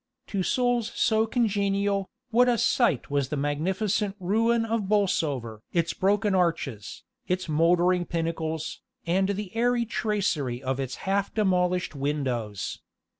To souls so congenial, what a sight was the magnificent ruin of Bolsover! its broken arches, its mouldering pinnacles, and the airy tracery of its half demolished windows.